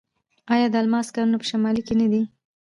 آیا د الماس کانونه په شمال کې نه دي؟